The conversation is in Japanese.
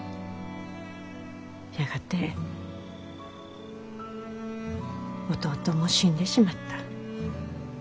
やがて弟も死んでしまった。